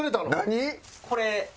これ。